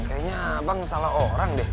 kayaknya abang salah orang deh